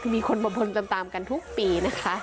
คือมีคนมาบนตามกันทุกปีนะคะ